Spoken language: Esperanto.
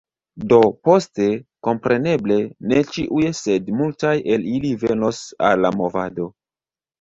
Do, poste, kompreneble, ne ĉiuj, sed multaj el ili venos al la movado.